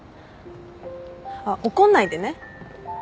あっ怒んないでね。